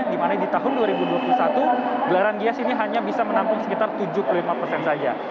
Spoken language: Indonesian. dimana di tahun dua ribu dua puluh satu gelaran gias ini hanya bisa menampung sekitar tujuh puluh lima persen saja